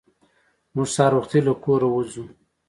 موږ سهار وختي له کوره وځو.